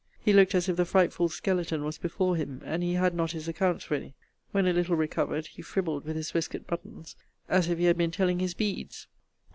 He looked as if the frightful skeleton was before him, and he had not his accounts ready. When a little recovered, he fribbled with his waistcoat buttons, as if he had been telling his beads.)